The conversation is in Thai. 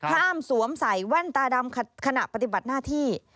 ห้ามสวมใส่แว่นตาดำขณะปฏิบัติหน้าที่